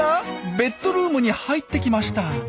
ベッドルームに入ってきました。